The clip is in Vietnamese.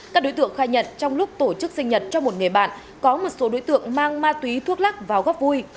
các đối tượng khai nhận trong lúc tổ chức sinh nhật cho một người bạn có một số đối tượng mang ma túy thuốc lắc vào góc vui